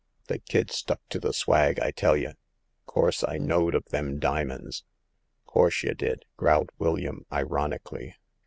'* The kid stuck to the swag, I tell y'. 'Course I knowed of them dimins !"'Course y' did !" growled William, ironically.